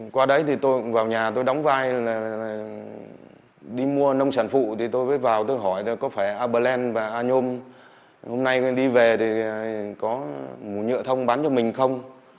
qua đấy thì tôi cũng vào nhà tôi đóng vai đi mua nông sản phụ thì tôi mới vào tôi hỏi có phải aplen và anom hôm nay đi về thì có mù nhựa thông bán cho mình không